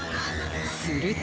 すると。